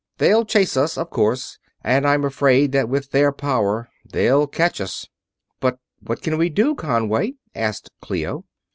They'll chase us, of course; and I'm afraid that with their power, they'll catch us." "But what can we do, Conway?" asked Clio.